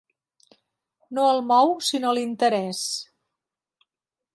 No el mou sinó l'interès.